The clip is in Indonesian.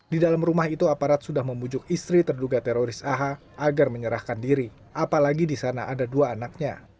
di dalam rumah itu aparat sudah membujuk istri terduga teroris aha agar menyerahkan diri apalagi di sana ada dua anaknya